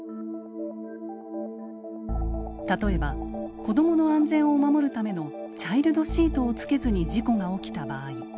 例えば子どもの安全を守るためのチャイルドシートを着けずに事故が起きた場合。